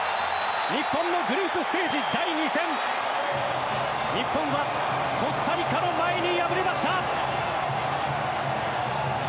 日本のグループステージ第２戦日本はコスタリカの前に敗れました。